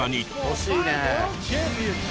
惜しいね。